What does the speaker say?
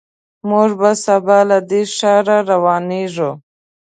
موږ به سبا له دې ښار روانېږو.